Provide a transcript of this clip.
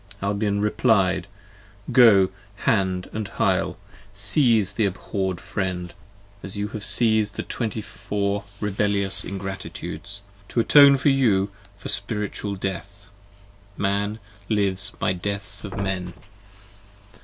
Albion replied. Go, Hand & Hyle! sieze the abhorred friend: As you have siez'd the Twenty four rebellious ingratitudes: To atone for you, for spiritual death ; Man lives by deaths of Men.